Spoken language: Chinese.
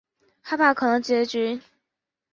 害怕可能的结局